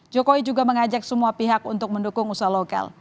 jokowi juga mengajak semua pihak untuk mendukung usaha lokal